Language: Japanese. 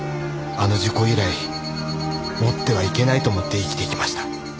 あの事故以来持ってはいけないと思って生きてきました。